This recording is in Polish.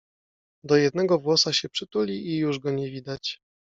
Do jednego włosa się przytuli i już go nie widać.